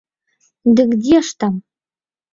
Дык дзе ж там!